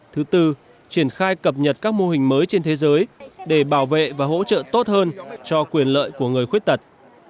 thứ tư triển khai cập nhật các mô hình mới trên thế giới để bảo vệ và hỗ trợ tốt hơn cho quyền lợi của người khuyết tật